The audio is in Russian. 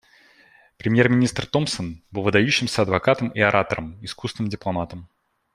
Премьер-министр Томпсон был выдающимся адвокатом и оратором, искусным дипломатом.